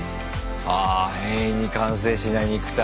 ああ「永遠に完成しない肉体」。